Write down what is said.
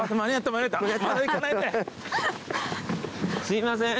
すいません。